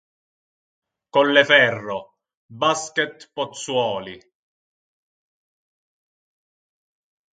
Colleferro; Basket Pozzuoli.